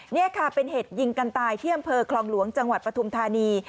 นี่ค่ะเป็นเหตุยิงกันตายที่อำเภอคลองหลวงจังหวัดปฐุมธานี